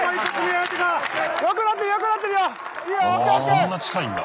こんな近いんだ。